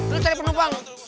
lalu cari penumpang